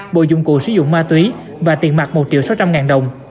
bộ dụng cụ sử dụng ma túy và tiền mặt một triệu sáu trăm linh ngàn đồng